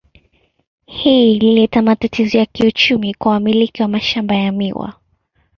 Hii ilileta matatizo ya kiuchumi kwa wamiliki wa mashamba ya miwa.